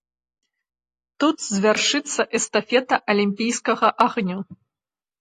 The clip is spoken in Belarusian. Тут завяршыцца эстафета алімпійскага агню.